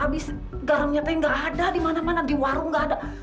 habis garamnya kayak nggak ada di mana mana di warung nggak ada